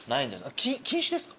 禁止ですか？